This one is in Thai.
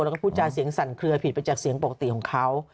แล้วก็พูดจาเสียงสั่นเคลือผิดไปจากเสียงปกติของเขา